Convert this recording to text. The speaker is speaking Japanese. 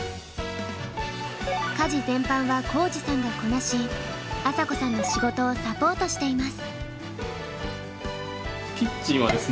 家事全般は皓史さんがこなし朝紗子さんの仕事をサポートしています。